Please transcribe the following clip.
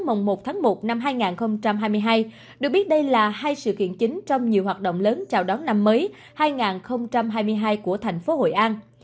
mùng một tháng một năm hai nghìn hai mươi hai được biết đây là hai sự kiện chính trong nhiều hoạt động lớn chào đón năm mới hai nghìn hai mươi hai của thành phố hội an